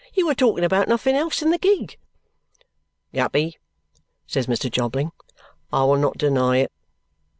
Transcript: "You were talking about nothing else in the gig." "Guppy," says Mr. Jobling, "I will not deny it.